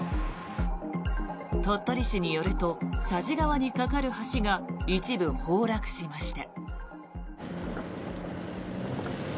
鳥取市によると佐治川に架かる橋が一部崩落しました。